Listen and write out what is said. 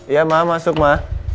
iya ma masuk ma